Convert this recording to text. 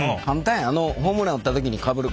ホームラン打った時にかぶるかぶと。